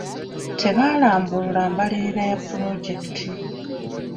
Tebaalambulula mbalirira ya pulojekiti.